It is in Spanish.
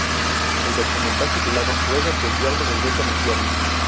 El documental titulado Ruega que el diablo regrese al infierno.